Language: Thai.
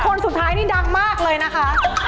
คนสุดท้ายนี่ดังมากเลยนะคะ